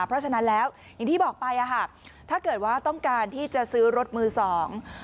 เพราะฉะนั้นแล้วอย่างที่บอกไปอ่ะค่ะถ้าเกิดว่าต้องการที่จะซื้อรถมือสอง